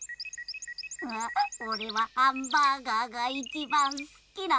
おれはハンバーガーがいちばんすきなんじゃ。